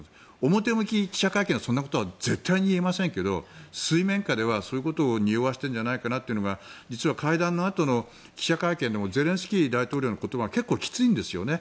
表向き記者会見はそんなことは絶対に言えませんけど水面下ではそういうことをにおわせてるんじゃないのかなと実は会談のあとの記者会見でもゼレンスキー大統領の発言でも結構きついんですよね。